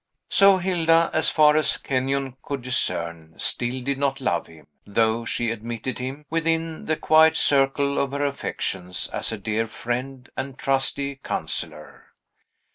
So Hilda, as far as Kenyon could discern, still did not love him, though she admitted him within the quiet circle of her affections as a dear friend and trusty counsellor.